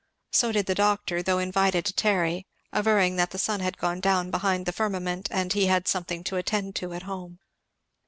So did the doctor, though invited to tarry, averring that the sun had gone down behind the firmament and he had something to attend to at home.